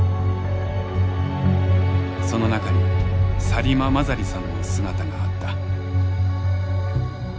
その中にサリマ・マザリさんの姿があった。